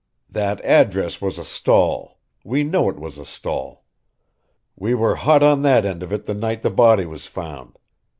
That address was a stall we know it was a stall. We were hot on that end of it the night the body was found.